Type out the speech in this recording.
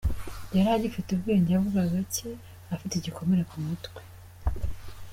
Yari agifite ubwenge, avuga gake, afite igikomere ku mutwe.